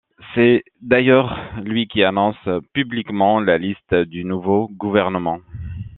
C'est d'ailleurs lui qui annonce publiquement la liste du nouveau gouvernement.